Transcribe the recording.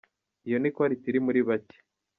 Iyo ni quality iri muri bake .